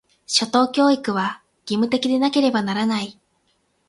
初等教育は、義務的でなければならない。